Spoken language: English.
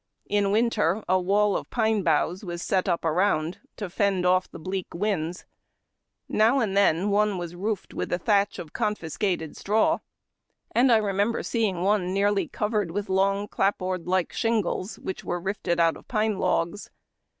In winter, a wall of pine boughs was set up around, to fend off bleak winds. Now and then, one was roofed with a thatch of confiscated straw ; and I remember of seeing one nearly covered with long clapboard like shingles, which were rifted out of pine logs.